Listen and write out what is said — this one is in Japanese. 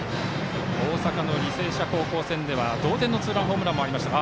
大阪の履正社高校戦では同点のツーランホームランもありましたが。